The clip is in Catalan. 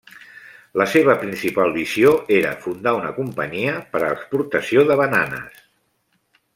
La seva principal visió era fundar una companyia per a l'exportació de bananes.